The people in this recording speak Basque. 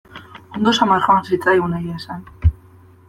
Ondo samar joan zitzaigun, egia esan.